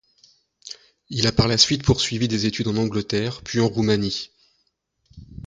Il a par la suite poursuivi des études en Angleterre, puis en Roumanie.